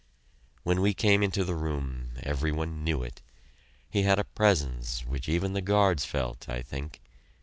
When he came into the room, every one knew it. He had a presence which even the guards felt, I think.